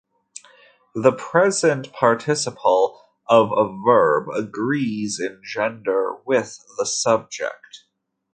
The present participle of a verb agrees in gender with the subject.